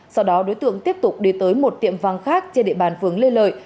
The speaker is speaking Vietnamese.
sau đó đối tượng tiếp tục đi tới một tiệm vang khác trên địa bàn phướng lê lợi